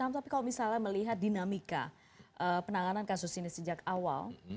tapi kalau misalnya melihat dinamika penanganan kasus ini sejak awal